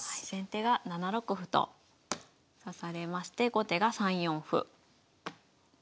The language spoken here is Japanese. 先手が７六歩と指されまして後手が３四歩。